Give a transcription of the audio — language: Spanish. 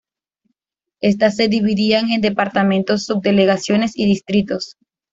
Estas se dividían en departamentos, subdelegaciones y distritos.